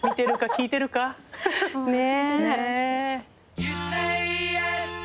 聞いてるか？ね。